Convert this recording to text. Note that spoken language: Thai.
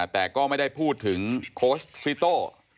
แต่ก็ไม่ได้พูดถึงโค้ชฟิโต้